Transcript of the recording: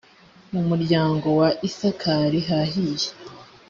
mu muryango wa isakari hahiye